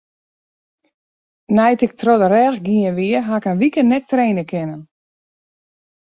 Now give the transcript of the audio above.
Nei't ik troch de rêch gien wie, haw ik in wike net traine kinnen.